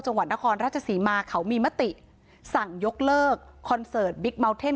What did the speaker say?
จังหวัดนครราชศรีมาเขามีมติสั่งยกเลิกคอนเสิร์ตบิ๊กเมาเท่น